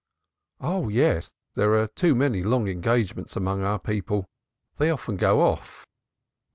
"Yes; there are too many long engagements among our people. They often go off."